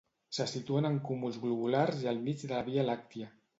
Se situen en cúmuls globulars i al mig de la Via Làctia.